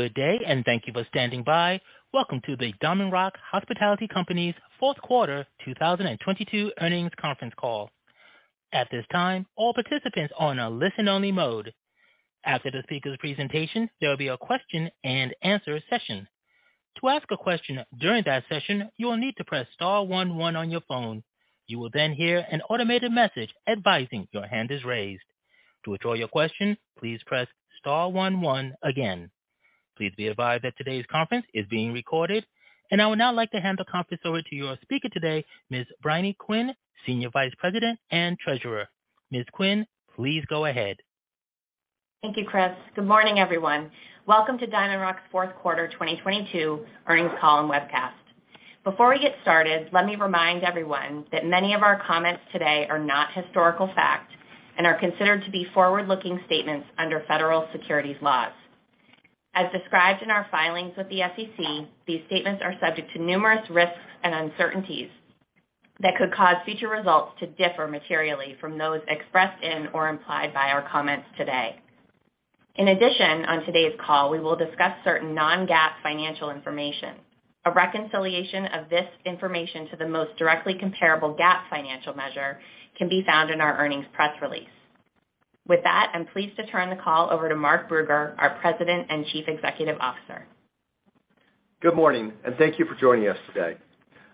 Good day, and thank you for standing by. Welcome to the DiamondRock Hospitality Company's fourth quarter 2022 earnings conference call. At this time, all participants are on a listen-only mode. After the speaker's presentation, there will be a question and answer session. To ask a question during that session, you will need to press star one one on your phone. You will then hear an automated message advising your hand is raised. To withdraw your question, please press star one one again. Please be advised that today's conference is being recorded. I would now like to hand the conference over to your speaker today, Ms. Briony Quinn, Senior Vice President and Treasurer. Ms. Quinn, please go ahead. Thank you, Chris. Good morning, everyone. Welcome to DiamondRock's fourth quarter 2022 earnings call and webcast. Before we get started, let me remind everyone that many of our comments today are not historical facts and are considered to be forward-looking statements under federal securities laws. As described in our filings with the SEC, these statements are subject to numerous risks and uncertainties that could cause future results to differ materially from those expressed in or implied by our comments today. In addition, on today's call, we will discuss certain non-GAAP financial information. A reconciliation of this information to the most directly comparable GAAP financial measure can be found in our earnings press release. With that, I'm pleased to turn the call over to Mark Brugger, our President and Chief Executive Officer. Good morning, thank you for joining us today.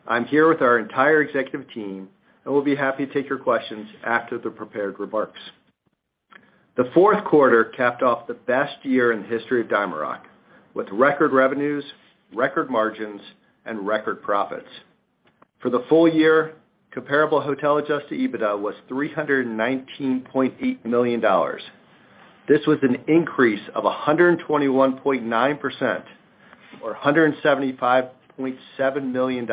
I'm here with our entire executive team, and we'll be happy to take your questions after the prepared remarks. The fourth quarter capped off the best year in the history of DiamondRock, with record revenues, record margins, and record profits. For the full year, comparable hotel adjusted EBITDA was $319.8 million. This was an increase of 121.9% or $175.7 million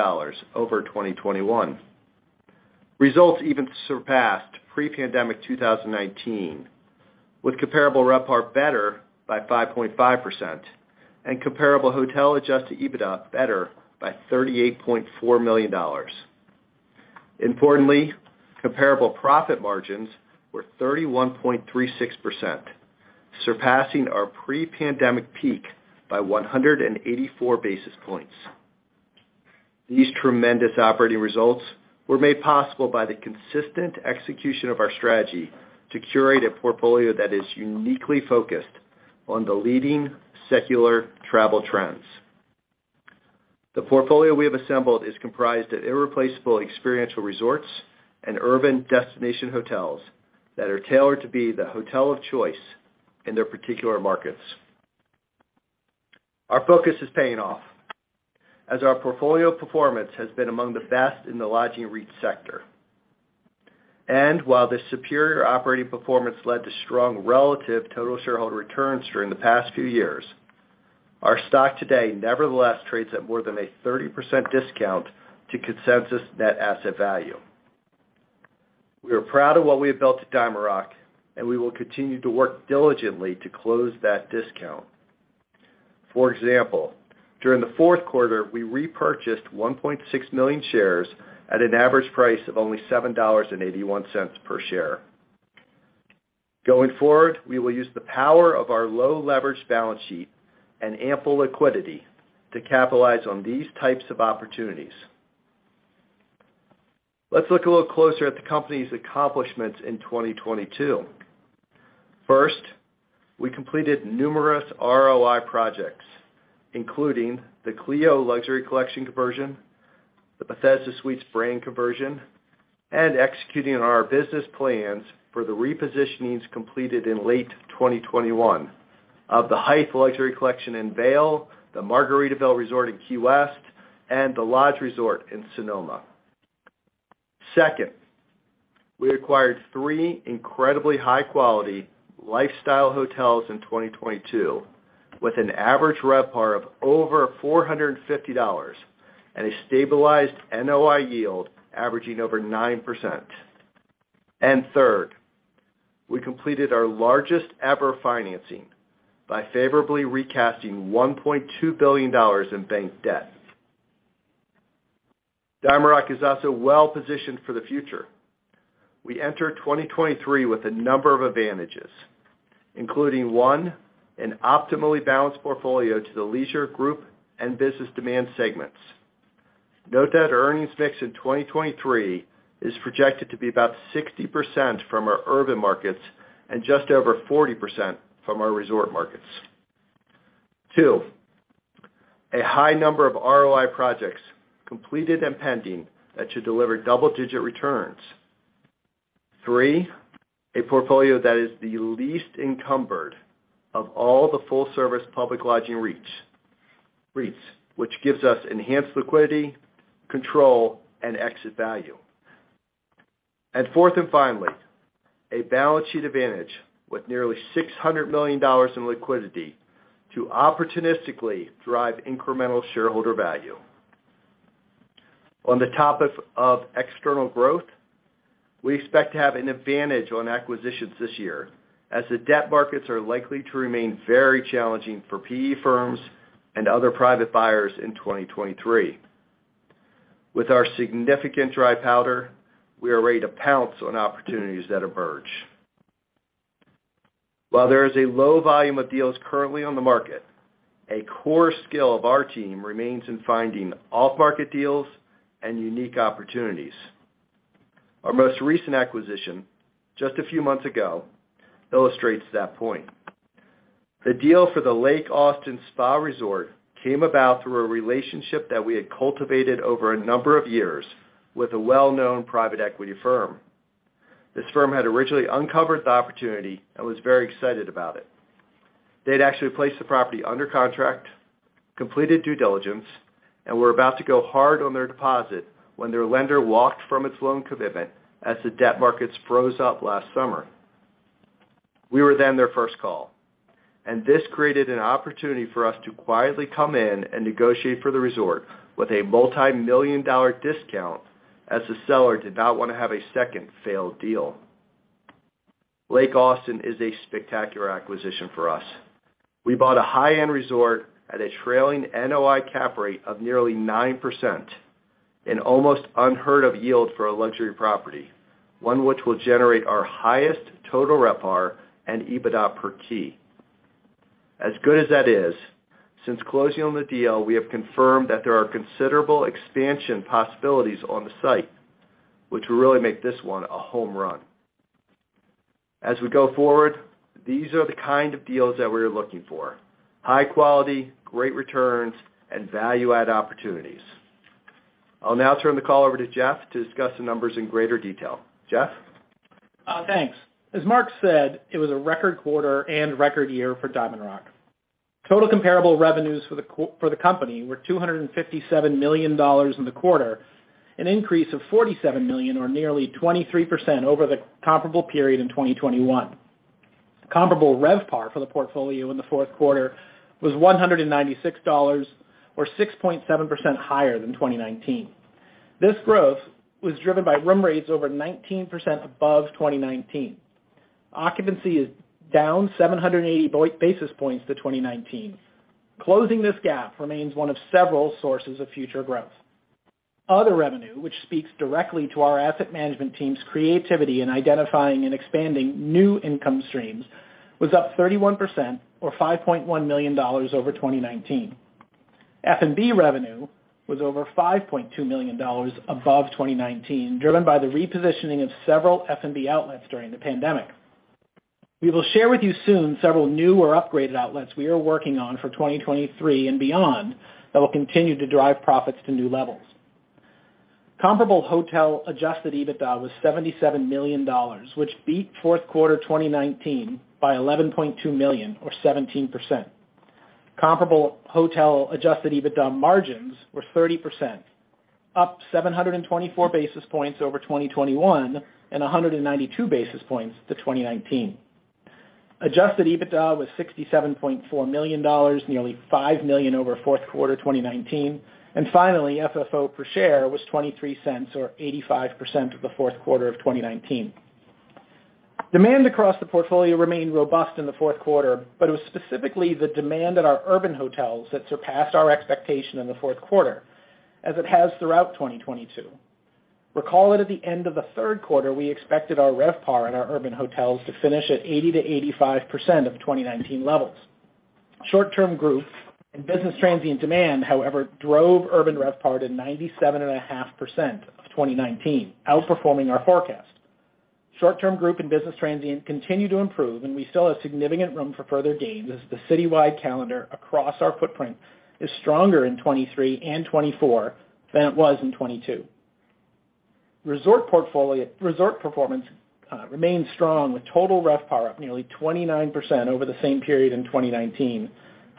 over 2021. Results even surpassed pre-pandemic 2019, with comparable RevPAR better by 5.5% and comparable hotel adjusted EBITDA better by $38.4 million. Importantly, comparable profit margins were 31.36%, surpassing our pre-pandemic peak by 184 basis points. These tremendous operating results were made possible by the consistent execution of our strategy to curate a portfolio that is uniquely focused on the leading secular travel trends. The portfolio we have assembled is comprised of irreplaceable experiential resorts and urban destination hotels that are tailored to be the hotel of choice in their particular markets. Our focus is paying off as our portfolio performance has been among the best in the lodging REIT sector. While this superior operating performance led to strong relative total shareholder returns during the past few years, our stock today nevertheless trades at more than a 30% discount to consensus net asset value. We are proud of what we have built at DiamondRock, and we will continue to work diligently to close that discount. For example, during the fourth quarter, we repurchased 1.6 million shares at an average price of only $7.81 per share. Going forward, we will use the power of our low leverage balance sheet and ample liquidity to capitalize on these types of opportunities. Let's look a little closer at the company's accomplishments in 2022. First, we completed numerous ROI projects, including the Clio Luxury Collection conversion, the Bethesda Suites brand conversion, and executing on our business plans for the repositionings completed in late 2021 of the Luxury Collection in Vail, the Margaritaville Resort in Key West, and the Lodge Resort in Sonoma. Second, we acquired three incredibly high-quality lifestyle hotels in 2022 with an average RevPAR of over $450 and a stabilized NOI yield averaging over 9%. Third, we completed our largest ever financing by favorably recasting $1.2 billion in bank debt. DiamondRock is also well-positioned for the future. We enter 2023 with a number of advantages, including, one, an optimally balanced portfolio to the leisure group and business demand segments. Note that earnings mix in 2023 is projected to be about 60% from our urban markets and just over 40% from our resort markets. Two, a high number of ROI projects completed and pending that should deliver double-digit returns. 3, a portfolio that is the least encumbered of all the full-service public lodging REITs, which gives us enhanced liquidity, control, and exit value. Fourth and finally, a balance sheet advantage with nearly $600 million in liquidity to opportunistically drive incremental shareholder value. On the topic of external growth, we expect to have an advantage on acquisitions this year as the debt markets are likely to remain very challenging for PE firms and other private buyers in 2023. With our significant dry powder, we are ready to pounce on opportunities that emerge. While there is a low volume of deals currently on the market, a core skill of our team remains in finding off-market deals and unique opportunities. Our most recent acquisition, just a few months ago, illustrates that point. The deal for the Lake Austin Spa Resort came about through a relationship that we had cultivated over a number of years with a well-known private equity firm. This firm had originally uncovered the opportunity and was very excited about it. They'd actually placed the property under contract, completed due diligence, and were about to go hard on their deposit when their lender walked from its loan commitment as the debt markets froze up last summer. We were then their first call, and this created an opportunity for us to quietly come in and negotiate for the resort with a multi-million dollar discount as the seller did not wanna have a second failed deal. Lake Austin is a spectacular acquisition for us. We bought a high-end resort at a trailing NOI cap rate of nearly 9%, an almost unheard of yield for a luxury property, one which will generate our highest total RevPAR and EBITDA per key. As good as that is, since closing on the deal, we have confirmed that there are considerable expansion possibilities on the site, which will really make this one a home run. As we go forward, these are the kind of deals that we're looking for: high quality, great returns, and value-add opportunities. I'll now turn the call over to Jeff to discuss the numbers in greater detail. Jeff? Thanks. As Mark said, it was a record quarter and record year for DiamondRock. Total comparable revenues for the company were $257 million in the quarter, an increase of $47 million or nearly 23% over the comparable period in 2021. Comparable RevPAR for the portfolio in the fourth quarter was $196 or 6.7% higher than 2019. This growth was driven by room rates over 19% above 2019. Occupancy is down 780 basis points to 2019. Closing this gap remains one of several sources of future growth. Other revenue, which speaks directly to our asset management team's creativity in identifying and expanding new income streams, was up 31% or $5.1 million over 2019. F&B revenue was over $5.2 million above 2019, driven by the repositioning of several F&B outlets during the pandemic. We will share with you soon several new or upgraded outlets we are working on for 2023 and beyond that will continue to drive profits to new levels. Comparable hotel adjusted EBITDA was $77 million which beat fourth quarter 2019 by $11.2 million or 17%. Comparable hotel adjusted EBITDA margins were 30%, up 724 basis points over 2021, and 192 basis points to 2019. Adjusted EBITDA was $67.4 million, nearly $5 million over fourth quarter 2019. Finally, FFO per share was $0.23 or 85% of the fourth quarter of 2019. Demand across the portfolio remained robust in the fourth quarter. It was specifically the demand at our urban hotels that surpassed our expectation in the fourth quarter, as it has throughout 2022. Recall it at the end of the third quarter, we expected our RevPAR at our urban hotels to finish at 80%-85% of 2019 levels. Short-term group and business transient demand, however, drove urban RevPAR to 97.5% of 2019, outperforming our forecast. Short-term group and business transient continue to improve. We still have significant room for further gains as the citywide calendar across our footprint is stronger in 2023 and 2024 than it was in 2022. Resort portfolio performance remains strong with total RevPAR up nearly 29% over the same period in 2019,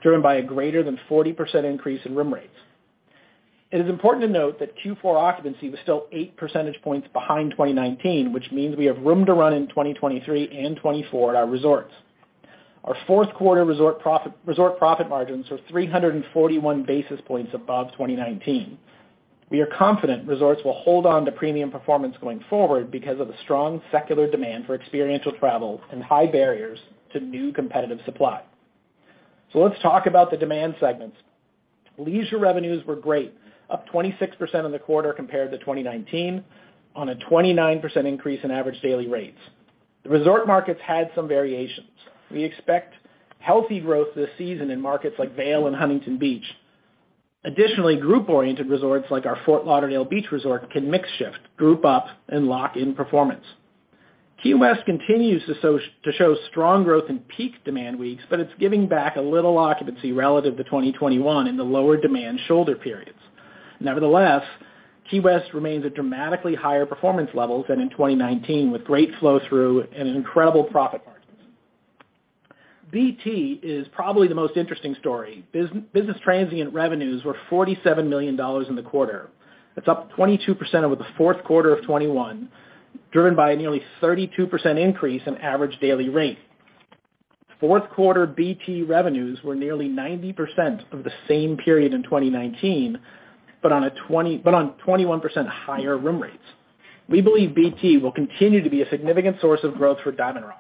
driven by a greater than 40% increase in room rates. It is important to note that Q4 occupancy was still 8 percentage points behind 2019, which means we have room to run in 2023 and 2024 at our resorts. Our fourth quarter resort profit margins are 341 basis points above 2019. We are confident resorts will hold on to premium performance going forward because of the strong secular demand for experiential travel and high barriers to new competitive supply. Let's talk about the demand segments. Leisure revenues were great, up 26% in the quarter compared to 2019 on a 29% increase in average daily rates. The resort markets had some variations. We expect healthy growth this season in markets like Vail and Huntington Beach. Group-oriented resorts like our Fort Lauderdale Beach Resort can mix shift, group up, and lock in performance. Key West continues to show strong growth in peak demand weeks, but it's giving back a little occupancy relative to 2021 in the lower demand shoulder periods. Key West remains at dramatically higher performance levels than in 2019, with great flow through and incredible profit margins. BT is probably the most interesting story. Business transient revenues were $47 million in the quarter. That's up 22% over the fourth quarter of 2021, driven by a nearly 32% increase in average daily rate. Fourth quarter BT revenues were nearly 90% of the same period in 2019, but on 21% higher room rates. We believe BT will continue to be a significant source of growth for DiamondRock.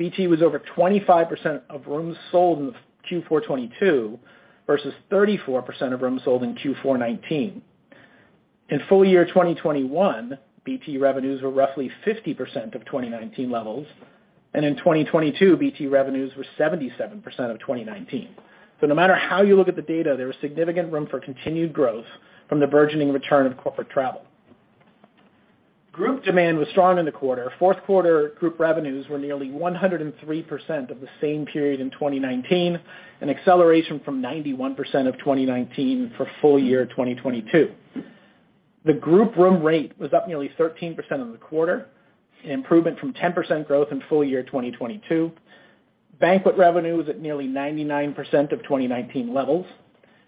BT was over 25% of rooms sold in Q4 2022 versus 34% of rooms sold in Q4 2019. In full year 2021, BT revenues were roughly 50% of 2019 levels, and in 2022, BT revenues were 77% of 2019. No matter how you look at the data, there was significant room for continued growth from the burgeoning return of corporate travel. Group demand was strong in the quarter. Fourth quarter group revenues were nearly 103% of the same period in 2019, an acceleration from 91% of 2019 for full year 2022. The group room rate was up nearly 13% in the quarter, improvement from 10% growth in full year 2022. Banquet revenue was at nearly 99% of 2019 levels.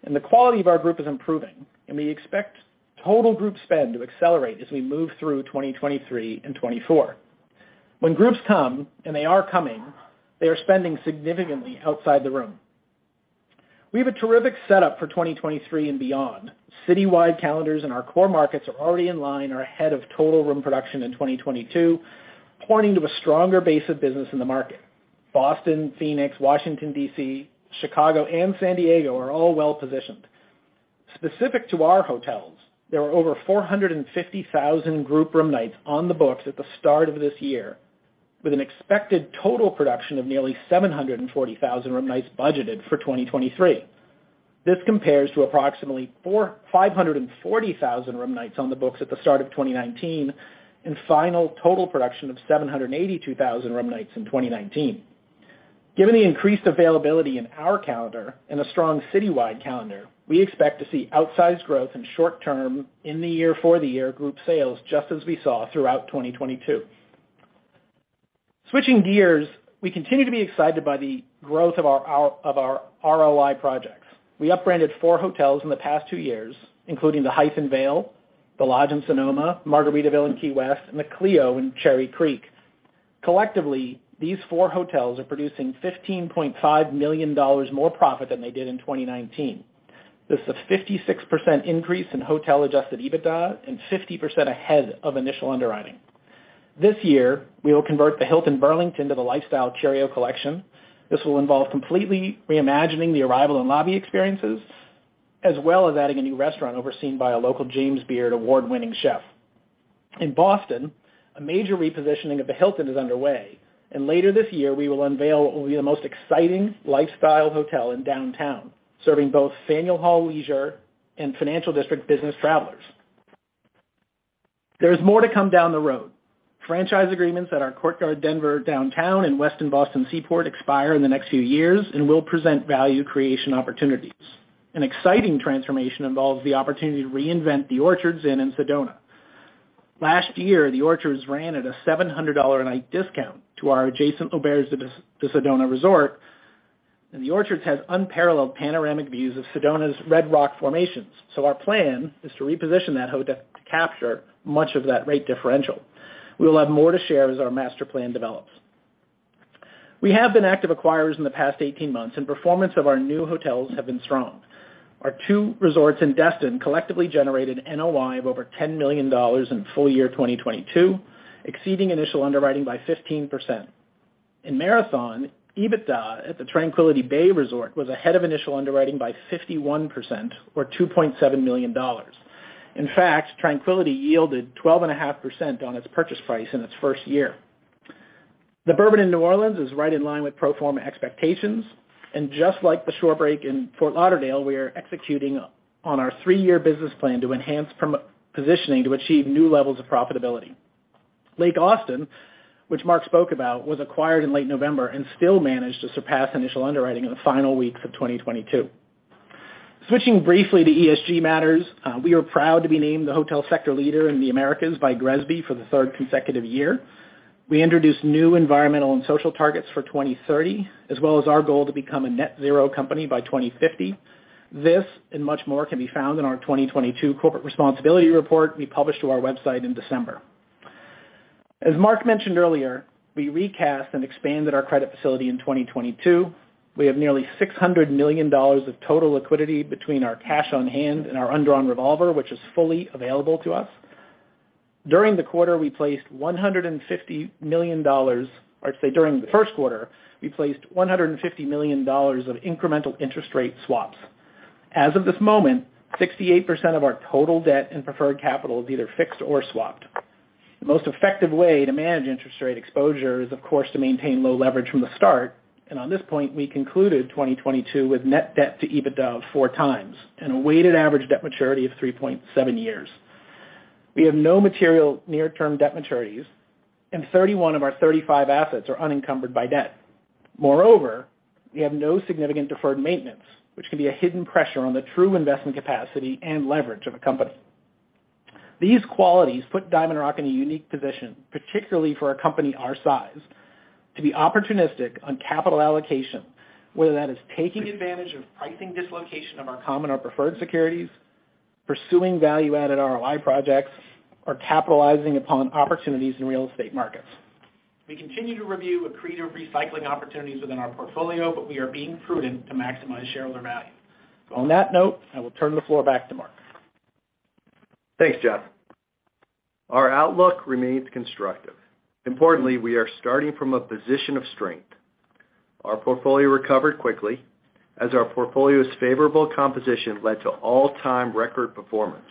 The quality of our group is improving, and we expect total group spend to accelerate as we move through 2023 and 2024. When groups come, and they are coming, they are spending significantly outside the room. We have a terrific setup for 2023 and beyond. Citywide calendars in our core markets are already in line or ahead of total room production in 2022, pointing to a stronger base of business in the market. Boston, Phoenix, Washington, D.C., Chicago, and San Diego are all well positioned. Specific to our hotels, there are over 450,000 group room nights on the books at the start of this year, with an expected total production of nearly 740,000 room nights budgeted for 2023. This compares to approximately 540,000 room nights on the books at the start of 2019 and final total production of 782,000 room nights in 2019. Given the increased availability in our calendar and a strong citywide calendar, we expect to see outsized growth in short term, in the year for the year group sales, just as we saw throughout 2022. Switching gears, we continue to be excited by the growth of our ROI projects. We up branded four hotels in the past two years, including the Hythe Vail, The Lodge at Sonoma, Margaritaville in Key West, and the Clio in Cherry Creek. Collectively, these four hotels are producing $15.5 million more profit than they did in 2019. This is a 56% increase in hotel adjusted EBITDA and 50% ahead of initial underwriting. This year, we will convert the Hilton Burlington to the lifestyle Curio Collection. This will involve completely reimagining the arrival and lobby experiences, as well as adding a new restaurant overseen by a local James Beard award-winning chef. In Boston, a major repositioning of the Hilton is underway. Later this year, we will unveil what will be the most exciting lifestyle hotel in downtown, serving both Faneuil Hall Leisure and Financial District business travelers. There is more to come down the road. Franchise agreements at our Courtyard Denver Downtown and Westin Boston Seaport expire in the next few years and will present value creation opportunities. An exciting transformation involves the opportunity to reinvent The Orchards Inn in Sedona. Last year, The Orchards ran at a $700 a night discount to our adjacent L'Auberge de Sedona. The Orchards has unparalleled panoramic views of Sedona's red rock formations. Our plan is to reposition that hotel to capture much of that rate differential. We will have more to share as our master plan develops. We have been active acquirers in the past 18 months, and performance of our new hotels have been strong. Our two resorts in Destin collectively generated NOI of over $10 million in full year 2022, exceeding initial underwriting by 15%. In Marathon, EBITDA at the Tranquility Bay Resort was ahead of initial underwriting by 51% or $2.7 million. In fact, Tranquility yielded 12.5% on its purchase price in its first year. The Bourbon in New Orleans is right in line with pro forma expectations, and just like the Shore Break in Fort Lauderdale, we are executing on our three-year business plan to enhance positioning to achieve new levels of profitability. Lake Austin, which Mark spoke about, was acquired in late November and still managed to surpass initial underwriting in the final weeks of 2022. Switching briefly to ESG matters, we are proud to be named the hotel sector leader in the Americas by GRESB for the third consecutive year. We introduced new environmental and social targets for 2030, as well as our goal to become a net zero company by 2050. This and much more can be found in our 2022 corporate responsibility report we published to our website in December. As Mark mentioned earlier, we recast and expanded our credit facility in 2022. We have nearly $600 million of total liquidity between our cash on hand and our undrawn revolver, which is fully available to us. During the first quarter, we placed $150 million of incremental interest rate swaps. As of this moment, 68% of our total debt and preferred capital is either fixed or swapped. The most effective way to manage interest rate exposure is, of course, to maintain low leverage from the start. On this point, we concluded 2022 with net debt to EBITDA 4 times and a weighted average debt maturity of 3.7 years. We have no material near term debt maturities and 31 of our 35 assets are unencumbered by debt. Moreover, we have no significant deferred maintenance, which can be a hidden pressure on the true investment capacity and leverage of a company. These qualities put DiamondRock in a unique position, particularly for a company our size, to be opportunistic on capital allocation, whether that is taking advantage of pricing dislocation of our common or preferred securities, pursuing value-added ROI projects, or capitalizing upon opportunities in real estate markets. We continue to review accretive recycling opportunities within our portfolio, but we are being prudent to maximize shareholder value. On that note, I will turn the floor back to Mark. Thanks, Jeff. Our outlook remains constructive. Importantly, we are starting from a position of strength. Our portfolio recovered quickly as our portfolio's favorable composition led to all-time record performance.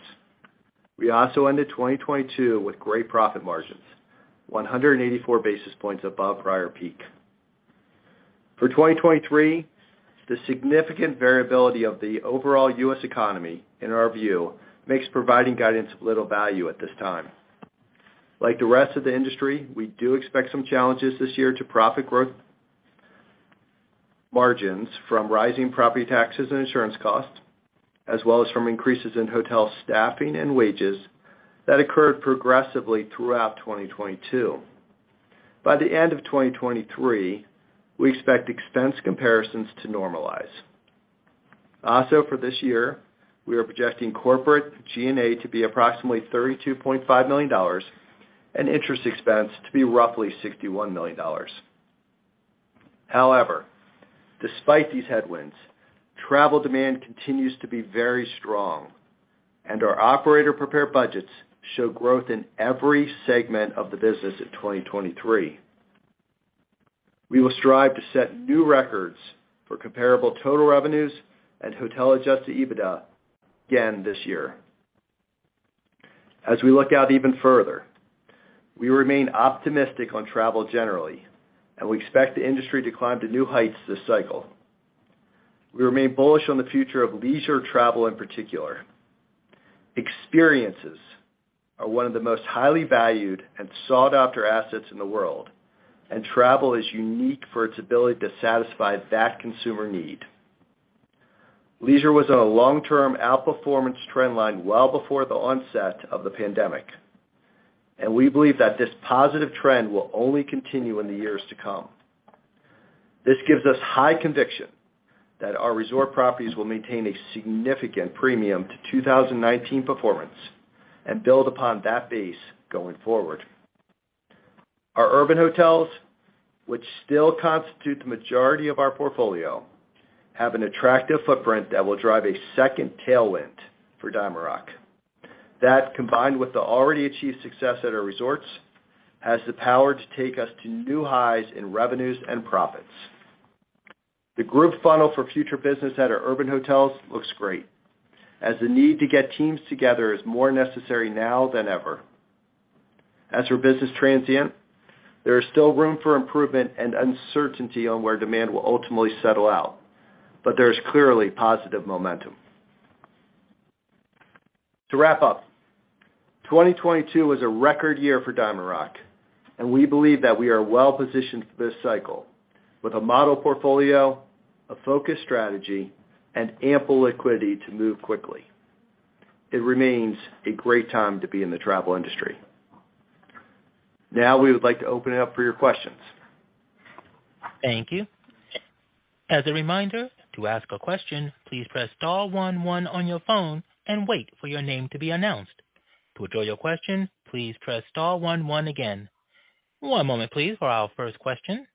We also ended 2022 with great profit margins, 184 basis points above prior peak. For 2023, the significant variability of the overall U.S. economy, in our view, makes providing guidance of little value at this time. Like the rest of the industry, we do expect some challenges this year to profit growth margins from rising property taxes and insurance costs, as well as from increases in hotel staffing and wages that occurred progressively throughout 2022. By the end of 2023, we expect expense comparisons to normalize. For this year, we are projecting corporate G&A to be approximately $32.5 million and interest expense to be roughly $61 million. Despite these headwinds, travel demand continues to be very strong, and our operator prepared budgets show growth in every segment of the business in 2023. We will strive to set new records for comparable total revenues and hotel adjusted EBITDA again this year. As we look out even further, we remain optimistic on travel generally, and we expect the industry to climb to new heights this cycle. We remain bullish on the future of leisure travel in particular. Experiences are one of the most highly valued and sought after assets in the world, and travel is unique for its ability to satisfy that consumer need. Leisure was on a long-term outperformance trend line well before the onset of the pandemic, and we believe that this positive trend will only continue in the years to come. This gives us high conviction that our resort properties will maintain a significant premium to 2019 performance and build upon that base going forward. Our urban hotels, which still constitute the majority of our portfolio, have an attractive footprint that will drive a second tailwind for DiamondRock. That, combined with the already achieved success at our resorts, has the power to take us to new highs in revenues and profits. The group funnel for future business at our urban hotels looks great as the need to get teams together is more necessary now than ever. As for business transient, there is still room for improvement and uncertainty on where demand will ultimately settle out, but there is clearly positive momentum. To wrap up, 2022 was a record year for DiamondRock, we believe that we are well positioned for this cycle with a model portfolio, a focused strategy, and ample liquidity to move quickly. It remains a great time to be in the travel industry. We would like to open it up for your questions. Thank you. As a reminder, to ask a question, please press star one one on your phone and wait for your name to be announced. To withdraw your question, please press star one one again. One moment please for our first question.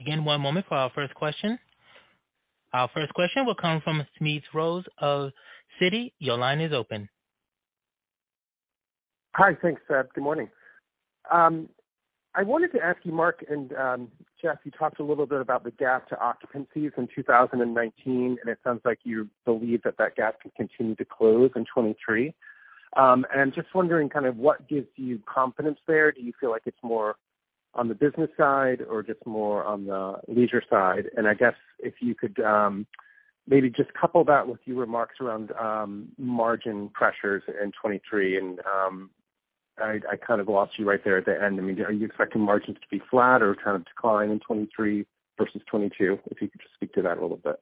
Again, one moment for our first question. Our first question will come from Suneet Kamath of Citi. Your line is open. Hi. Thanks. Good morning. I wanted to ask you, Mark and Jeff, you talked a little bit about the gap to occupancies in 2019, and it sounds like you believe that that gap can continue to close in 23. I'm just wondering kind of what gives you confidence there. Do you feel like it's more on the business side or just more on the leisure side? I guess if you could, maybe just couple that with your remarks around margin pressures in 23 and, I kind of lost you right there at the end. I mean, are you expecting margins to be flat or kind of decline in 23 versus 22? If you could just speak to that a little bit.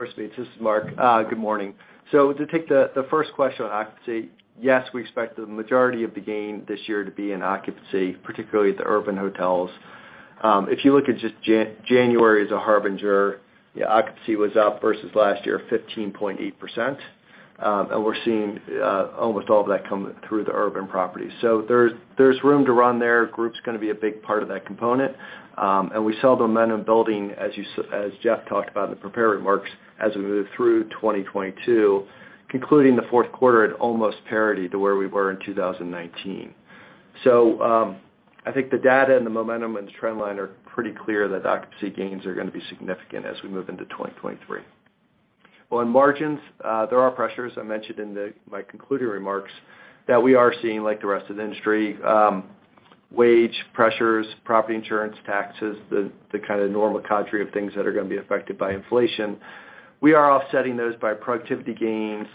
Sure, Suneet. This is Mark. Good morning. To take the first question on occupancy, yes, we expect the majority of the gain this year to be in occupancy, particularly at the urban hotels. If you look at just January as a harbinger, the occupancy was up versus last year, 15.8%. We're seeing almost all of that come through the urban properties. There's room to run there. Group's gonna be a big part of that component. We saw the momentum building as Jeff talked about in the prepared remarks as we moved through 2022, concluding the fourth quarter at almost parity to where we were in 2019. I think the data and the momentum and the trend line are pretty clear that occupancy gains are gonna be significant as we move into 2023. Well, on margins, there are pressures I mentioned in my concluding remarks that we are seeing like the rest of the industry, wage pressures, property insurance, taxes, the kind of normal cadre of things that are gonna be affected by inflation. We are offsetting those by productivity gains.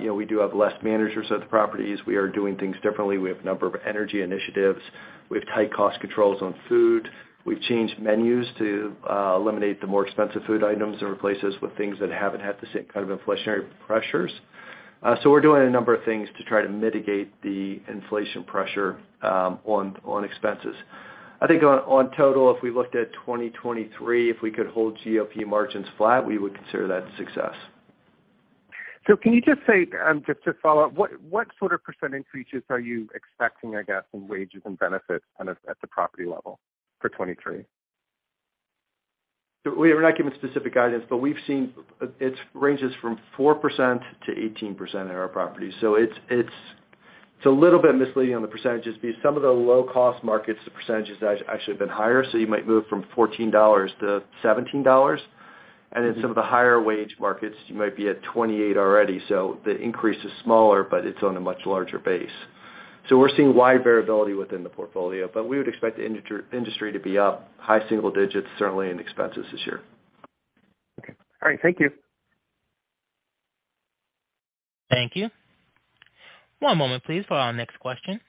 You know, we do have less managers at the properties. We are doing things differently. We have a number of energy initiatives. We have tight cost controls on food. We've changed menus to eliminate the more expensive food items and replace those with things that haven't had the same kind of inflationary pressures. We're doing a number of things to try to mitigate the inflation pressure on expenses. I think on total, if we looked at 2023, if we could hold GOP margins flat, we would consider that a success. Can you just say, just to follow up, what sort of percentage increases are you expecting, I guess, in wages and benefits kind of at the property level for 2023? We're not giving specific guidance, but we've seen it ranges from 4% to 18% in our properties. It's a little bit misleading on the percentages because some of the low-cost markets, the percentages has actually been higher. You might move from $14-$17. In some of the higher wage markets, you might be at $28 already. The increase is smaller, but it's on a much larger base. We're seeing wide variability within the portfolio. We would expect the industry to be up high single digits certainly in expenses this year. Okay. All right. Thank you. Thank you. One moment please for our next question.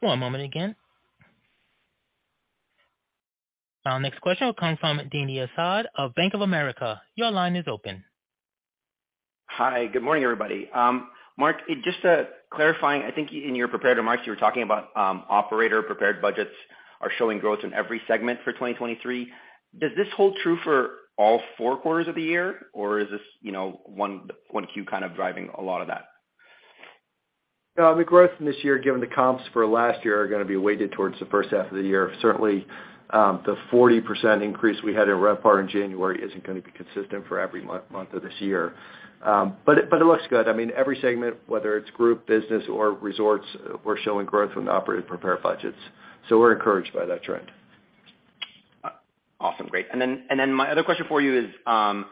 One moment again. Our next question will come from Dany Asad of Bank of America. Your line is open. Hi. Good morning, everybody. Mark, just to clarifying, I think in your prepared remarks, you were talking about, operator prepared budgets are showing growth in every segment for 2023. Does this hold true for all 4 quarters of the year, or is this, you know, 1Q kind of driving a lot of that? The growth this year, given the comps for last year, are going to be weighted towards the first half of the year. Certainly, the 40% increase we had in RevPAR in January isn't going to be consistent for every month of this year. It looks good. I mean, every segment, whether it's group, business or resorts, we're showing growth from the operator prepared budgets. We're encouraged by that trend. Awesome. Great. My other question for you is, how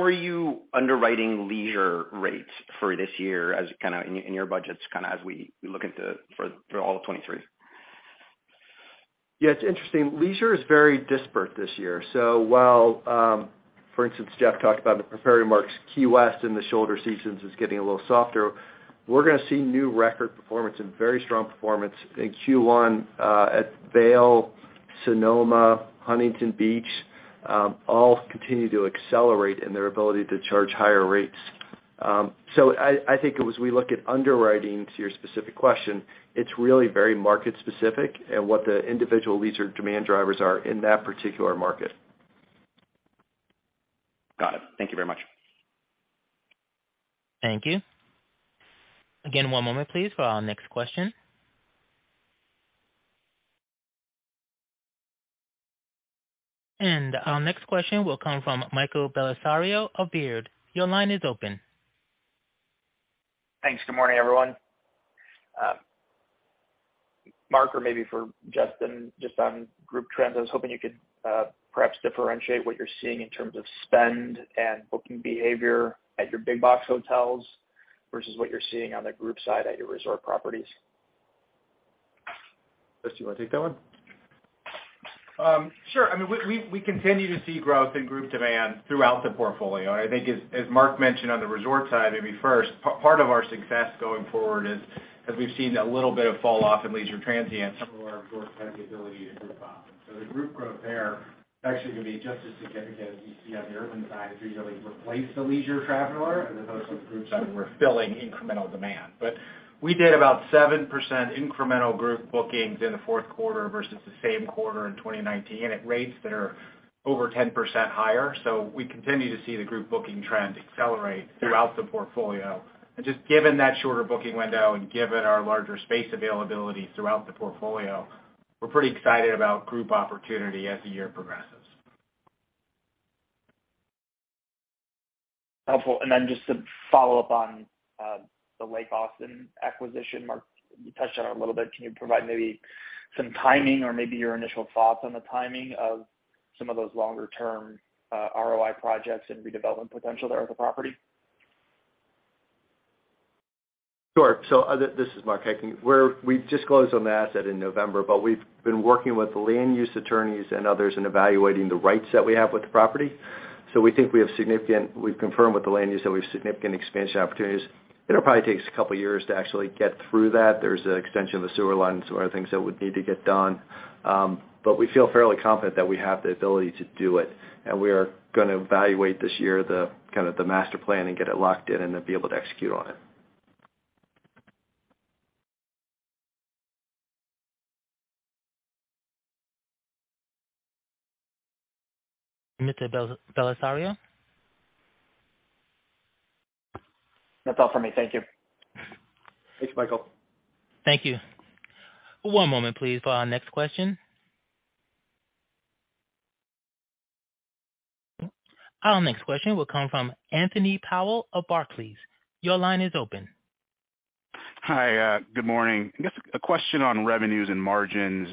are you underwriting leisure rates for this year as kind of in your budgets, kind of as we look into for all of 2023? Yeah, it's interesting. Leisure is very disparate this year. While, for instance, Jeff talked about in the prepared remarks, Key West and the shoulder seasons is getting a little softer, we're going to see new record performance and very strong performance in Q1 at Vail, Sonoma, Huntington Beach, all continue to accelerate in their ability to charge higher rates. I think as we look at underwriting to your specific question, it's really very market specific and what the individual leisure demand drivers are in that particular market. Got it. Thank you very much. Thank you. Again, one moment please for our next question. Our next question will come from Michael Bellisario of Baird. Your line is open. Thanks. Good morning, everyone. Mark, or maybe for Justin, just on group trends, I was hoping you could perhaps differentiate what you're seeing in terms of spend and booking behavior at your big box hotels versus what you're seeing on the group side at your resort properties? Justin, do you want to take that one? Sure. I mean, we continue to see growth in group demand throughout the portfolio. I think as Mark mentioned on the resort side, maybe first, part of our success going forward is as we've seen a little bit of fall off in leisure transient, some of our resorts have the ability to group up. The group growth there is actually going to be just as significant as you see on the urban side, as we usually replace the leisure traveler and then those groups that we're filling incremental demand. We did about 7% incremental group bookings in the fourth quarter versus the same quarter in 2019 at rates that are over 10% higher. We continue to see the group booking trend accelerate throughout the portfolio. Just given that shorter booking window and given our larger space availability throughout the portfolio, we're pretty excited about group opportunity as the year progresses. Helpful. Then just to follow up on, the Lake Austin acquisition, Mark, you touched on it a little bit. Can you provide maybe some timing or maybe your initial thoughts on the timing of some of those longer-term, ROI projects and redevelopment potential there at the property? Sure. This is Mark. I can. We disclosed on the asset in November, but we've been working with the land use attorneys and others in evaluating the rights that we have with the property. We think we have significant. We've confirmed with the land use that we have significant expansion opportunities. It'll probably take us 2 years to actually get through that. There's an extension of the sewer lines or other things that would need to get done. We feel fairly confident that we have the ability to do it, and we are going to evaluate this year the kind of the master plan and get it locked in and then be able to execute on it. Mr. Bellisario? That's all for me. Thank you. Thanks, Michael. Thank you. One moment, please, for our next question. Our next question will come from Anthony Powell of Barclays. Your line is open. Hi. Good morning. I guess a question on revenues and margins.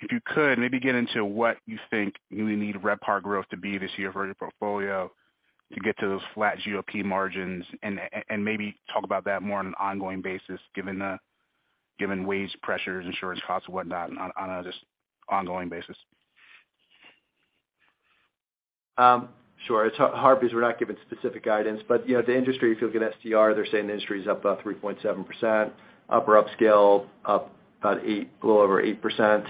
If you could maybe get into what you think you need RevPAR growth to be this year for your portfolio to get to those flat GOP margins and maybe talk about that more on an ongoing basis, given wage pressures, insurance costs and whatnot on a just ongoing basis? Sure. It's hard because we're not giving specific guidance. You know, the industry, if you look at STR, they're saying the industry is up about 3.7%. Upper upscale up about 8, a little over 8%.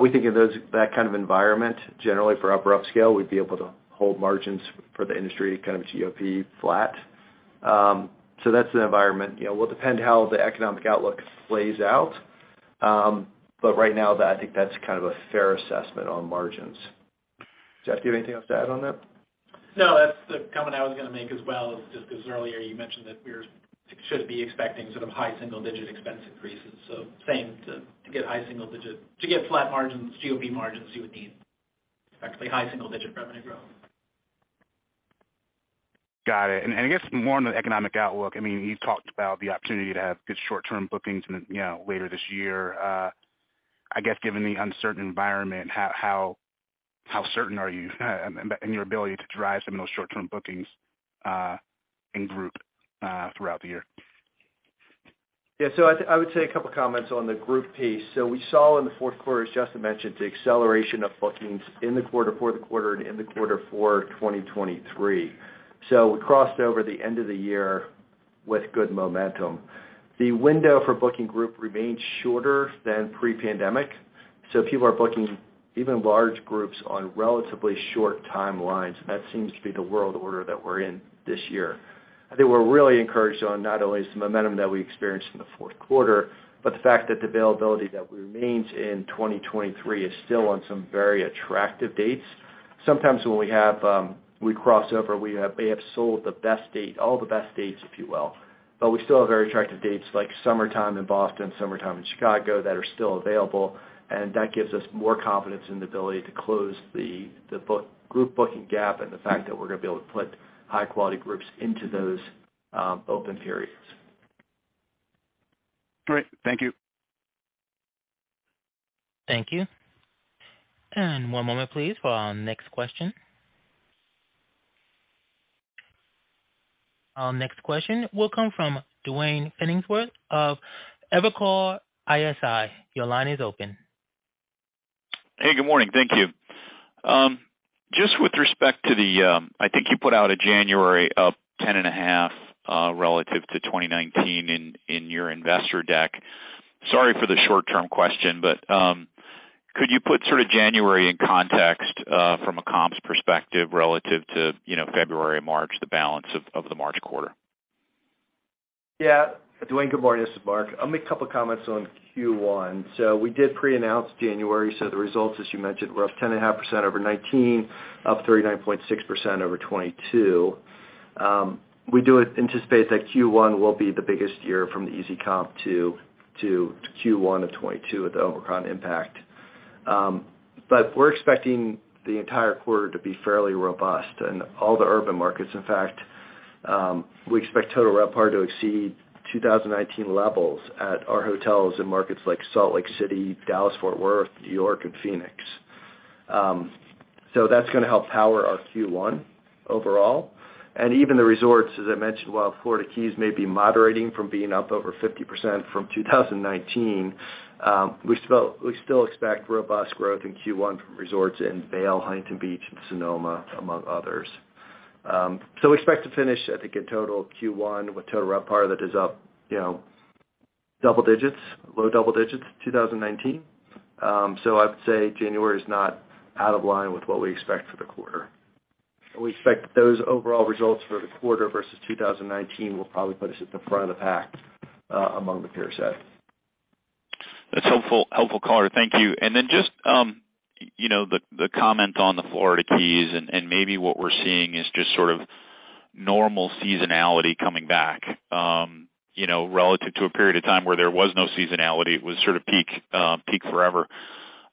We think that kind of environment, generally for upper upscale, we'd be able to hold margins for the industry kind of GOP flat. That's the environment. You know, will depend how the economic outlook plays out. Right now I think that's kind of a fair assessment on margins. Jeff, do you have anything else to add on that? No, that's the comment I was gonna make as well, just 'cause earlier you mentioned that should be expecting sort of high single digit expense increases. Saying to get high single digits, to get flat margins, GOP margins, you would need effectively high single digit revenue growth. Got it. I guess more on the economic outlook, I mean, you've talked about the opportunity to have good short term bookings in, you know, later this year. I guess given the uncertain environment, how certain are you in your ability to drive some of those short term bookings in group throughout the year? Yeah, I would say a couple of comments on the group piece. We saw in the fourth quarter, as Justin mentioned, the acceleration of bookings in the quarter for the quarter and in the quarter for 2023. We crossed over the end of the year with good momentum. The window for booking group remains shorter than pre-pandemic, so people are booking even large groups on relatively short timelines. That seems to be the world order that we're in this year. I think we're really encouraged on not only the momentum that we experienced in the fourth quarter, but the fact that the availability that remains in 2023 is still on some very attractive dates. Sometimes when we have, we cross over, we have, may have sold the best date, all the best dates, if you will, but we still have very attractive dates like summertime in Boston, summertime in Chicago, that are still available, and that gives us more confidence in the ability to close the group booking gap and the fact that we're going to be able to put high quality groups into those open periods. Great. Thank you. Thank you. One moment, please, for our next question. Our next question will come from Duane Pfennigwerth of Evercore ISI. Your line is open. Hey, good morning. Thank you. Just with respect to the... I think you put out a January up 10.5% relative to 2019 in your investor deck. Sorry for the short-term question, but, could you put sort of January in context from a comps perspective relative to, you know, February, March, the balance of the March quarter? Yeah. Duane, good morning. This is Mark. I'll make a couple of comments on Q1. We did pre-announce January, so the results, as you mentioned, were up 10.5% over 2019, up 39.6% over 2022. We do anticipate that Q1 will be the biggest year from the easy comp to Q1 of 2022 with the Omicron impact. We're expecting the entire quarter to be fairly robust in all the urban markets. In fact, we expect total RevPAR to exceed 2019 levels at our hotels in markets like Salt Lake City, Dallas Fort Worth, New York and Phoenix. That's gonna help power our Q1 overall. Even the resorts, as I mentioned, while Florida Keys may be moderating from being up over 50% from 2019, we still expect robust growth in Q1 from resorts in Vail, Huntington Beach and Sonoma, among others. We expect to finish, I think, in total Q1 with total RevPAR that is up, you know, double digits, low double digits 2019. I would say January is not out of line with what we expect for the quarter. We expect those overall results for the quarter versus 2019 will probably put us at the front of the pack among the peer set. That's helpful color. Thank you. Then just, you know, the comment on the Florida Keys, and maybe what we're seeing is just sort of normal seasonality coming back, you know, relative to a period of time where there was no seasonality. It was sort of peak forever.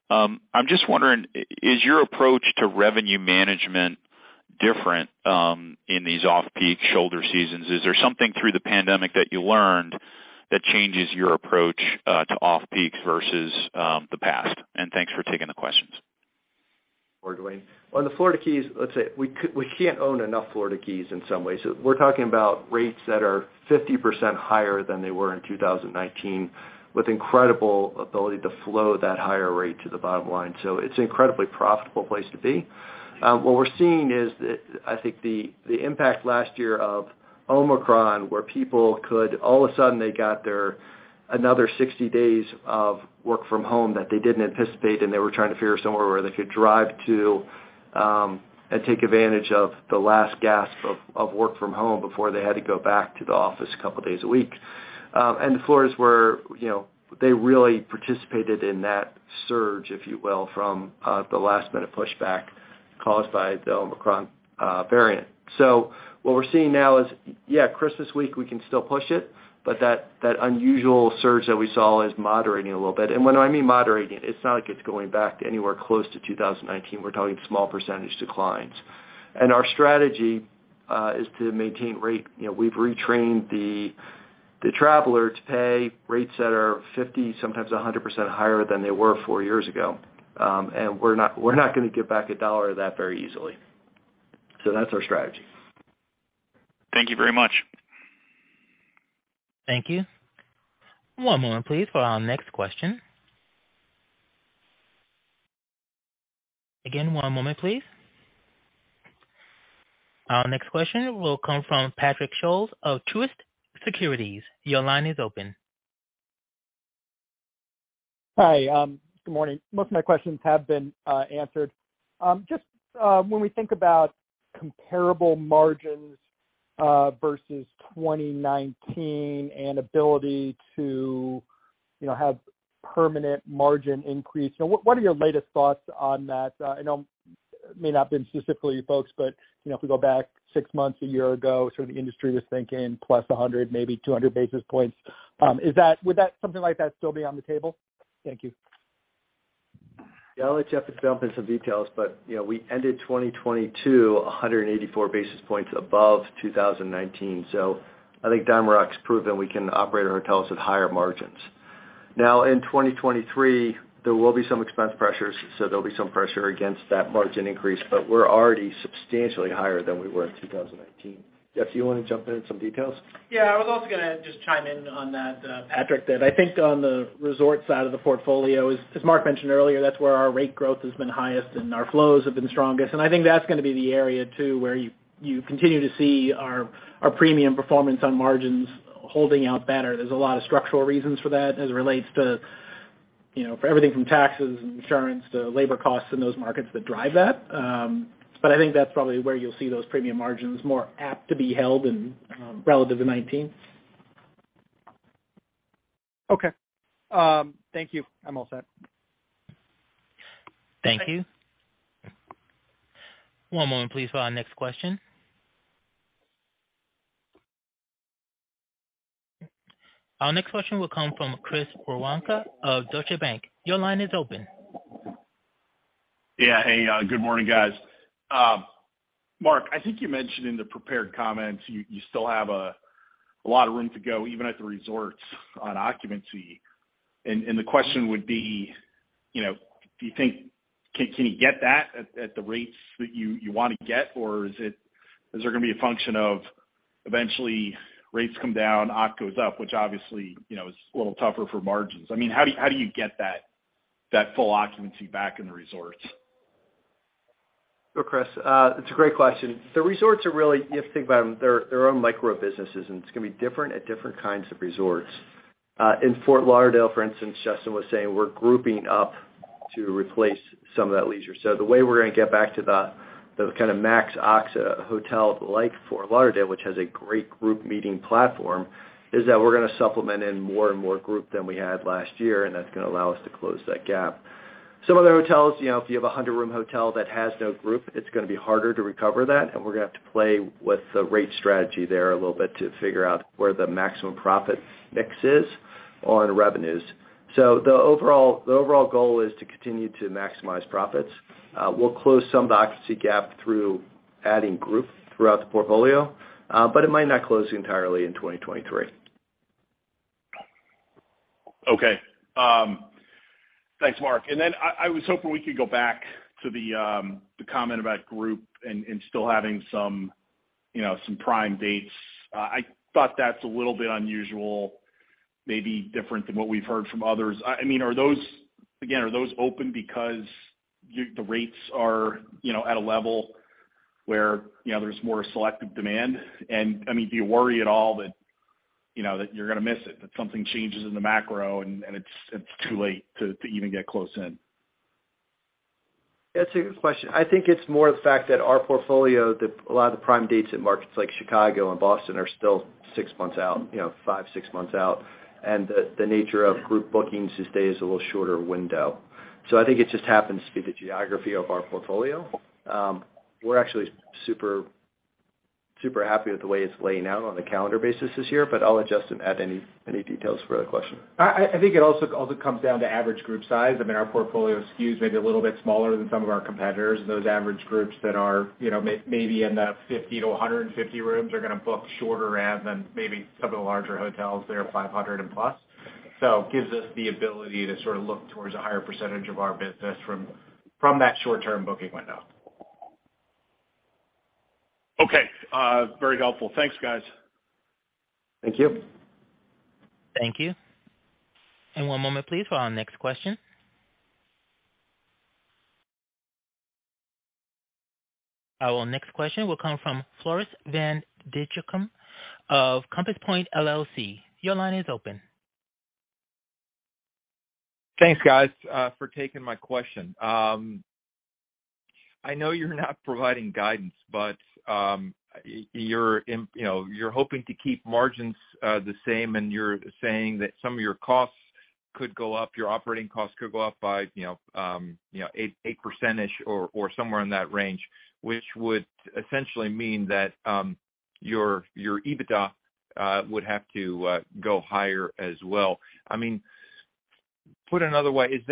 I'm just wondering, is your approach to revenue management different in these off-peak shoulder seasons? Is there something through the pandemic that you learned that changes your approach to off-peak versus the past? Thanks for taking the questions. Sure, Duane. On the Florida Keys, let's say we can't own enough Florida Keys in some ways. We're talking about rates that are 50% higher than they were in 2019, with incredible ability to flow that higher rate to the bottom line. It's an incredibly profitable place to be. What we're seeing is the, I think the impact last year of Omicron, where people could all of a sudden they got their another 60 days of work from home that they didn't anticipate and they were trying to figure somewhere where they could drive to, and take advantage of the last gasp of work from home before they had to go back to the office a couple days a week. The Floridas were, you know, they really participated in that surge, if you will, from the last minute pushback caused by the Omicron variant. What we're seeing now is, yeah, Christmas week, we can still push it, but that unusual surge that we saw is moderating a little bit. When I mean moderating, it's not like it's going back to anywhere close to 2019. We're talking small percentage declines. Our strategy is to maintain rate. You know, we've retrained the traveler to pay rates that are 50, sometimes 100% higher than they were 4 years ago. We're not gonna give back $1 of that very easily. That's our strategy. Thank you very much. Thank you. One moment please, for our next question. Again, one moment, please. Our next question will come from Patrick Scholes of Truist Securities. Your line is open. Hi, good morning. Most of my questions have been answered. Just when we think about comparable margins Versus 2019 and ability to, you know, have permanent margin increase. What are your latest thoughts on that? I know it may not been specifically you folks, you know if we go back 6 months, 1 year ago, sort of the industry was thinking plus 100, maybe 200 basis points. Would something like that still be on the table? Thank you. I'll let Jeff jump in some details, you know, we ended 2022, 184 basis points above 2019. I think DiamondRock's proven we can operate our hotels at higher margins. Now in 2023, there will be some expense pressures, there'll be some pressure against that margin increase, we're already substantially higher than we were in 2019. Jeff, do you wanna jump in in some details? Yeah. I was also gonna just chime in on that, Patrick, that I think on the resort side of the portfolio, as Mark mentioned earlier, that's where our rate growth has been highest and our flows have been strongest. I think that's gonna be the area too, where you continue to see our premium performance on margins holding out better. There's a lot of structural reasons for that as it relates to, you know, for everything from taxes and insurance to labor costs in those markets that drive that. But I think that's probably where you'll see those premium margins more apt to be held and relative to 2019. Okay. Thank you. I'm all set. Thank you. One moment please for our next question. Our next question will come from Chris Woronka of Deutsche Bank. Your line is open. Yeah. Hey, good morning, guys. Mark, I think you mentioned in the prepared comments, you still have a lot of room to go even at the resorts on occupancy. The question would be, you know, do you think? Can you get that at the rates that you want to get? Or is there gonna be a function of eventually rates come down, occ goes up, which obviously, you know, is a little tougher for margins. I mean, how do you get that full occupancy back in the resorts? Sure, Chris, it's a great question. The resorts are really. You have to think about them. They're their own micro-businesses, and it's gonna be different at different kinds of resorts. In Fort Lauderdale, for instance, Justin was saying we're grouping up to replace some of that leisure. The way we're gonna get back to the kind of max occ hotel like Fort Lauderdale, which has a great group meeting platform, is that we're gonna supplement in more and more group than we had last year, and that's gonna allow us to close that gap. Some other hotels, you know, if you have a 100-room hotel that has no group, it's gonna be harder to recover that, and we're gonna have to play with the rate strategy there a little bit to figure out where the maximum profit mix is on revenues. The overall goal is to continue to maximize profits. We'll close some of the occupancy gap through adding group throughout the portfolio, but it might not close entirely in 2023. Okay. Thanks, Mark. I was hoping we could go back to the comment about group and still having some, you know, some prime dates. I thought that's a little bit unusual, maybe different than what we've heard from others. I mean, are those? Again, are those open because the rates are, you know, at a level where, you know, there's more selective demand? I mean, do you worry at all that, you know, that you're gonna miss it, that something changes in the macro and it's too late to even get close in? That's a good question. I think it's more the fact that our portfolio, a lot of the prime dates in markets like Chicago and Boston are still six months out, you know, five, six months out. The nature of group bookings these days is a little shorter window. I think it just happens to be the geography of our portfolio. We're actually super happy with the way it's laying out on a calendar basis this year, but I'll Justin add any details for the question. I think it also comes down to average group size. I mean, our portfolio skews maybe a little bit smaller than some of our competitors. Those average groups that are, you know, maybe in the 50 to 150 rooms are gonna book shorter out than maybe some of the larger hotels that are 500 and plus. It gives us the ability to sort of look towards a higher percentage of our business from that short-term booking window. Okay. Very helpful. Thanks, guys. Thank you. Thank you. 1 moment please for our next question. Our next question will come from Floris van Dijkum of Compass Point LLC. Your line is open. Thanks, guys, for taking my question. I know you're not providing guidance, you know, you're hoping to keep margins the same, and you're saying that some of your costs could go up, your operating costs could go up by, you know, 8%-ish or somewhere in that range, which would essentially mean that your EBITDA would have to go higher as well. I mean, put another way,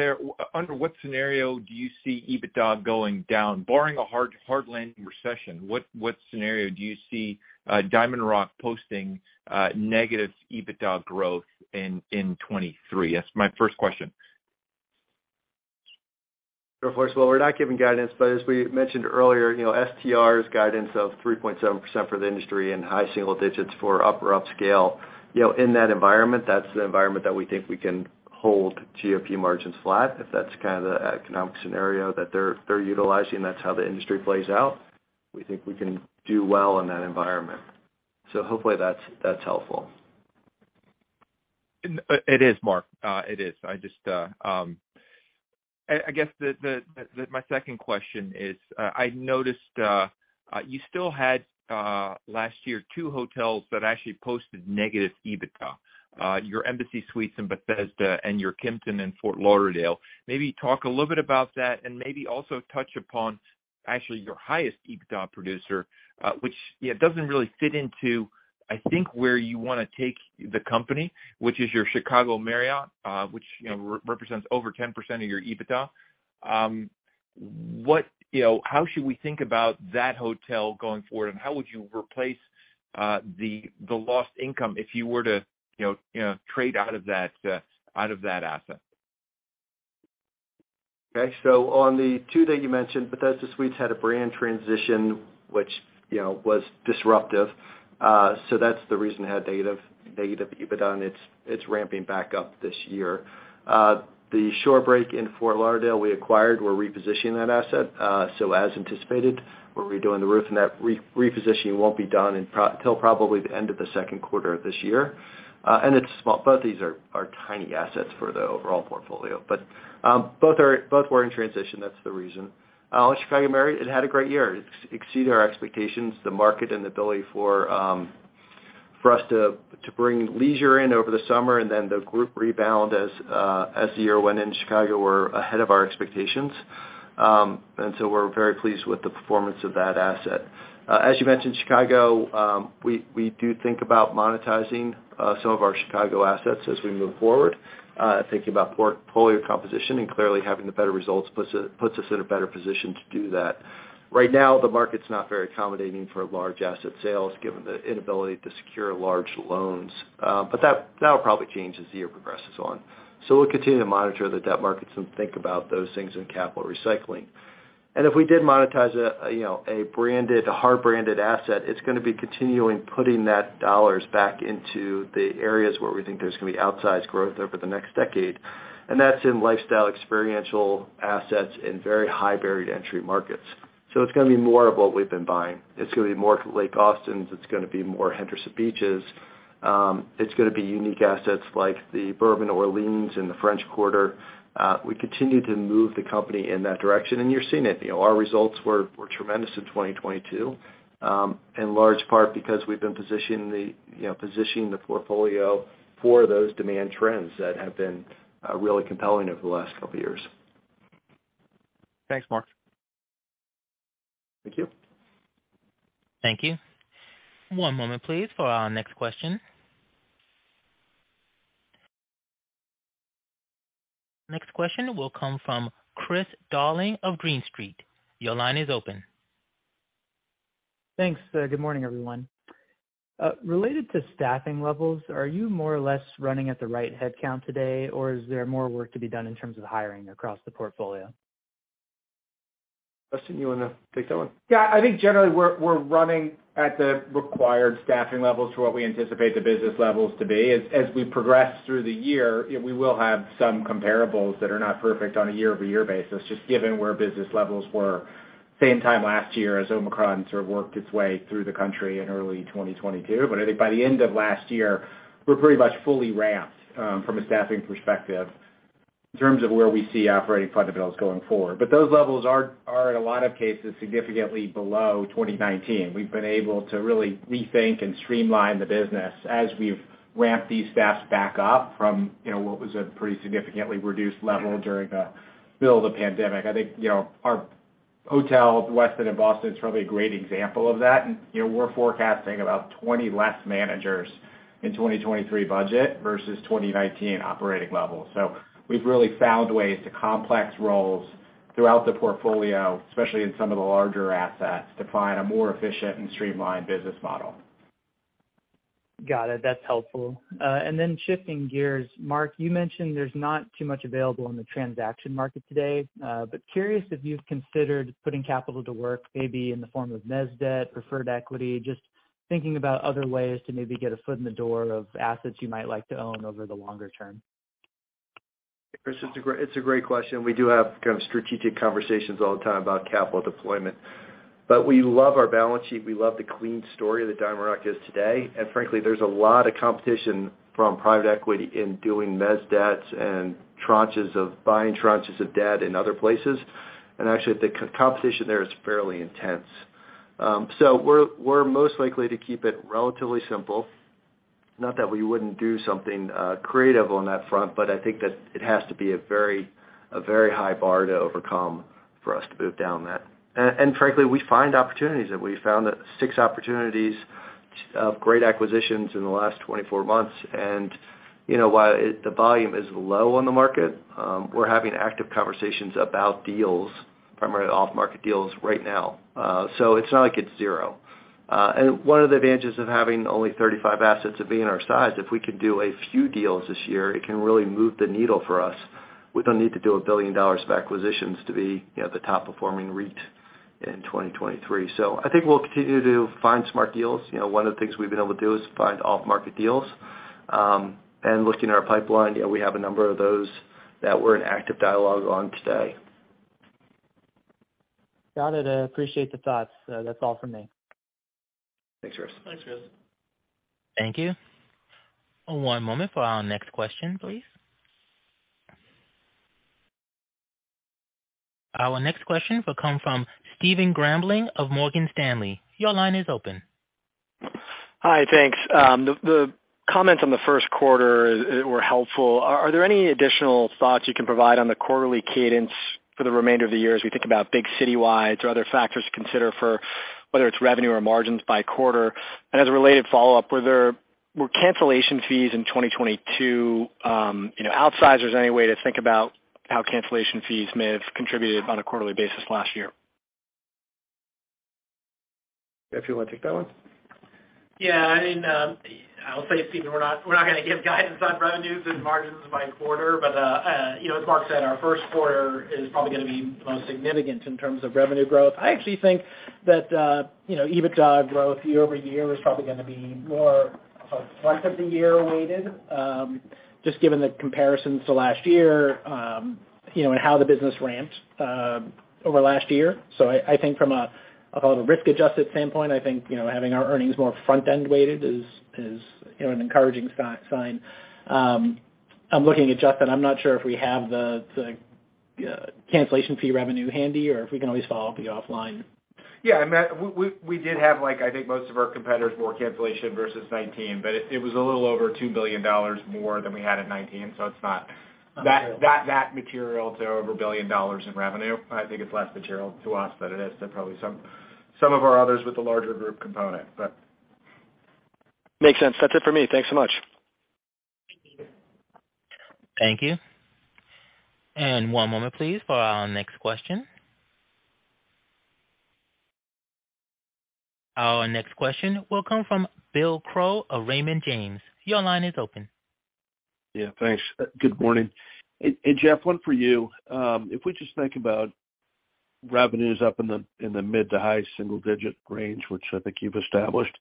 under what scenario do you see EBITDA going down? Barring a hard landing recession, what scenario do you see DiamondRock posting negative EBITDA growth in 2023? That's my first question. Sure, Floris. Well, we're not giving guidance, but as we mentioned earlier, you know, STR's guidance of 3.7% for the industry and high single digits for upper upscale. You know, in that environment, that's the environment that we think we can hold GOP margins flat. If that's kind of the economic scenario that they're utilizing, that's how the industry plays out, we think we can do well in that environment. Hopefully, that's helpful. It is, Mark. It is. I just my second question is, I noticed you still had last year two hotels that actually posted negative EBITDA. Your Embassy Suites in Bethesda and your Kimpton in Fort Lauderdale. Maybe talk a little bit about that and maybe also touch upon actually your highest EBITDA producer, which, you know, doesn't really fit into, I think, where you wanna take the company, which is your Chicago Marriott, which, you know, represents over 10% of your EBITDA. You know, how should we think about that hotel going forward, and how would you replace the lost income if you were to trade out of that out of that asset? Okay. On the two that you mentioned, Bethesda Suites had a brand transition, which, you know, was disruptive. That's the reason it had negative EBITDA, and it's ramping back up this year. The Shorebreak in Fort Lauderdale, we acquired. We're repositioning that asset. As anticipated, we're redoing the roof net. Repositioning won't be done till probably the end of the second quarter of this year. And it's small. Both these are tiny assets for the overall portfolio. Both were in transition. That's the reason. Chicago Marriott, it had a great year. It exceeded our expectations, the market and ability for us to bring leisure in over the summer and then the group rebound as the year went in Chicago were ahead of our expectations. We're very pleased with the performance of that asset. As you mentioned, Chicago, we do think about monetizing some of our Chicago assets as we move forward, thinking about portfolio composition and clearly having the better results puts us in a better position to do that. Right now, the market's not very accommodating for large asset sales given the inability to secure large loans. That'll probably change as the year progresses on. We'll continue to monitor the debt markets and think about those things in capital recycling. If we did monetize, you know, a hard branded asset, it's gonna be continually putting that dollars back into the areas where we think there's gonna be outsized growth over the next decade, and that's in lifestyle experiential assets in very high varied entry markets. It's gonna be more of what we've been buying. It's gonna be more Lake Austins, it's gonna be more Henderson Beaches, it's gonna be unique assets like the Bourbon Orleans in the French Quarter. We continue to move the company in that direction, and you're seeing it. You know, our results were tremendous in 2022, in large part because we've been positioning the, you know, positioning the portfolio for those demand trends that have been really compelling over the last couple years. Thanks, Mark. Thank you. Thank you. One moment, please, for our next question. Next question will come from Chris Darling of Green Street. Your line is open. Thanks. Good morning, everyone. Related to staffing levels, are you more or less running at the right headcount today, or is there more work to be done in terms of hiring across the portfolio? Justin, you wanna take that one? Yeah. I think generally we're running at the required staffing levels to what we anticipate the business levels to be. As we progress through the year, you know, we will have some comparables that are not perfect on a year-over-year basis, just given where business levels were same time last year as Omicron sort of worked its way through the country in early 2022. I think by the end of last year, we're pretty much fully ramped from a staffing perspective in terms of where we see operating fundamentals going forward. Those levels are in a lot of cases, significantly below 2019. We've been able to really rethink and streamline the business as we've ramped these staffs back up from, you know, what was a pretty significantly reduced level during the middle of the pandemic. I think, you know, our hotel, Westin in Boston, is probably a great example of that. You know, we're forecasting about 20 less managers in 2023 budget versus 2019 operating levels. We've really found ways to complex roles throughout the portfolio, especially in some of the larger assets, to find a more efficient and streamlined business model. Got it. That's helpful. Shifting gears. Mark, you mentioned there's not too much available in the transaction market today. Curious if you've considered putting capital to work maybe in the form of mez debt, preferred equity, just thinking about other ways to maybe get a foot in the door of assets you might like to own over the longer term. Chris, it's a great question. We do have kind of strategic conversations all the time about capital deployment. We love our balance sheet. We love the clean story that DiamondRock is today. Frankly, there's a lot of competition from private equity in doing mez debts and buying tranches of debt in other places. Actually, the competition there is fairly intense. We're most likely to keep it relatively simple. Not that we wouldn't do something creative on that front, but I think that it has to be a very high bar to overcome for us to move down that. Frankly, we find opportunities, and we found that six opportunities of great acquisitions in the last 24 months. You know, while the volume is low on the market, we're having active conversations about deals, primarily off market deals right now. It's not like it's zero. One of the advantages of having only 35 assets of being our size, if we can do a few deals this year, it can really move the needle for us. We don't need to do a $1 billion of acquisitions to be, you know, the top performing REIT in 2023. I think we'll continue to find smart deals. You know, one of the things we've been able to do is find off market deals. Looking at our pipeline, you know, we have a number of those that we're in active dialogue on today. Got it. Appreciate the thoughts. That's all for me. Thanks, Chris. Thanks, Chris. Thank you. One moment for our next question, please. Our next question will come from Stephen Grambling of Morgan Stanley. Your line is open. Hi. Thanks. The comments on the first quarter were helpful. Are there any additional thoughts you can provide on the quarterly cadence for the remainder of the year as we think about big citywide or other factors to consider for whether it's revenue or margins by quarter? As a related follow-up, were cancellation fees in 2022, you know, outsized? Is there any way to think about how cancellation fees may have contributed on a quarterly basis last year? Jeff, you wanna take that one? Yeah, I mean, I'll say, Stephen, we're not gonna give guidance on revenues and margins by quarter. You know, as Mark said, our first quarter is probably gonna be most significant in terms of revenue growth. I actually think that, you know, EBITDA growth year-over-year is probably gonna be more front of the year weighted, just given the comparisons to last year, you know, and how the business ramped over last year. I think from a, I'll call it a risk-adjusted standpoint, I think, you know, having our earnings more front-end weighted is, you know, an encouraging sign. I'm looking at Justin. I'm not sure if we have the cancellation fee revenue handy, or if we can always follow up offline. Yeah. I mean, we did have, like, I think most of our competitors, more cancellation versus 2019, but it was a little over $2 billion more than we had in 2019, so it's not that material to over $1 billion in revenue. I think it's less material to us than it is to probably some of our others with the larger group component, but... Makes sense. That's it for me. Thanks so much. Thank you. One moment, please, for our next question. Our next question will come from Bill Crow of Raymond James. Your line is open. Yeah, thanks. Good morning. Jeff, one for you. If we just think about revenues up in the mid to high single digit range, which I think you've established,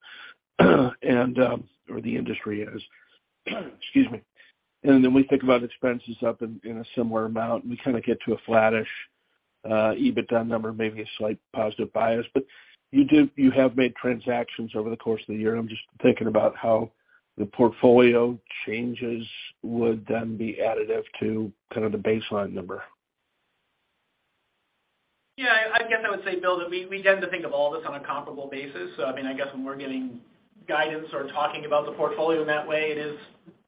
or the industry is. Excuse me. We think about expenses up in a similar amount, and we kind of get to a flattish EBITDA number, maybe a slight positive bias. You have made transactions over the course of the year, and I'm just thinking about how the portfolio changes would then be additive to kind of the baseline number. I guess I would say, Bill, that we tend to think of all this on a comparable basis. I mean, I guess when we're giving guidance or talking about the portfolio in that way, it is,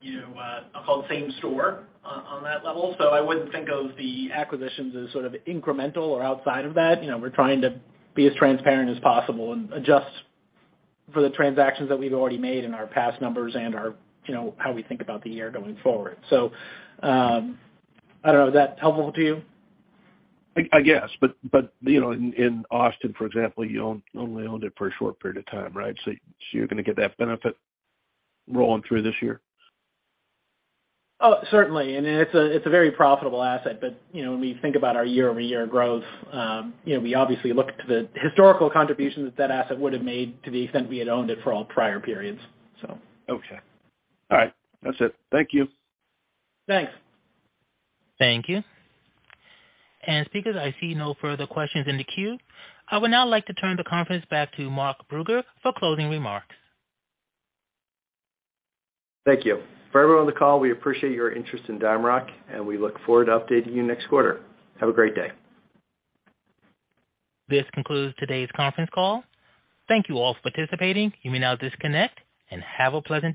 you know, I'll call it same store on that level. I wouldn't think of the acquisitions as sort of incremental or outside of that. You know, we're trying to be as transparent as possible and adjust for the transactions that we've already made in our past numbers and our, you know, how we think about the year going forward. I don't know, is that helpful to you? I guess. You know, in Austin, for example, only owned it for a short period of time, right? You're gonna get that benefit rolling through this year. Oh, certainly. It's a very profitable asset. You know, when we think about our year-over-year growth, you know, we obviously look to the historical contribution that that asset would've made to the extent we had owned it for all prior periods. Okay. All right. That's it. Thank you. Thanks. Thank you. Speakers, I see no further questions in the queue. I would now like to turn the conference back to Mark Brugger for closing remarks. Thank you. For everyone on the call, we appreciate your interest in DiamondRock, we look forward to updating you next quarter. Have a great day. This concludes today's conference call. Thank you all for participating. You may now disconnect and have a pleasant day.